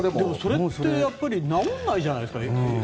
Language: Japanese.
それって治らないじゃないですか。